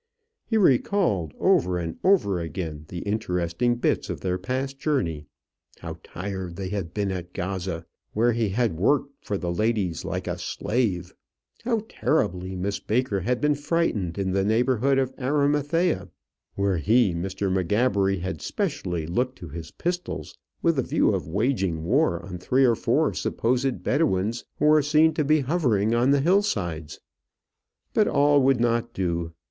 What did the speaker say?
He recalled over and over again the interesting bits of their past journey; how tired they had been at Gaza, where he had worked for the ladies like a slave how terribly Miss Baker had been frightened in the neighbourhood of Arimathea, where he, Mr. M'Gabbery, had specially looked to his pistols with the view of waging war on three or four supposed Bedouins who were seen to be hovering on the hill sides. But all would not do.